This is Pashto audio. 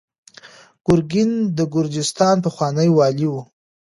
ګورګین د ګرجستان پخوانی والي و.